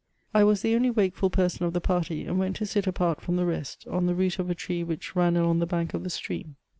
I was the only wakeful person of the party, and went to sit apart from the rest, on the root of a tree which ran along the bank of the stream.